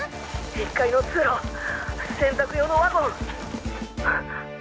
１階の通路洗濯用のワゴン。